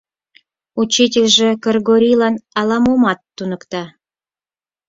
Учительже Кыргорийлан ала-момат туныкта.